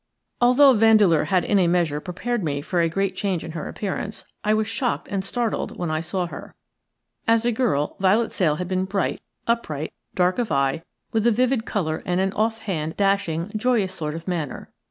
Although Vandeleur had in a measure prepared me for a great change in her appearance, I was shocked and startled when I saw her. As a girl Violet Sale had been bright, upright, dark of eye, with a vivid colour and an offhand, dashing, joyous sort of manner.